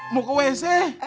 mau ke wc